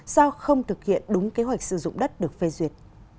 do không thực hiện đúng kế hoạch sử dụng đất được phê duyệt